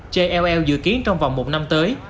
jll dự kiến trong vòng một năm tới